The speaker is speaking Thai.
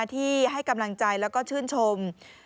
ที่ให้กำลังใจแล้วก็ชื่นชม